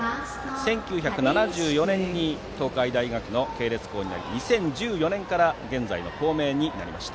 １９７４年に東海大学の系列校になり２０１４年から現在の校名になりました。